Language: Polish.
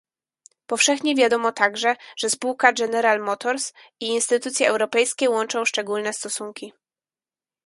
Powszechnie wiadomo także, że spółka General Motors i instytucje europejskie łączą szczególne stosunki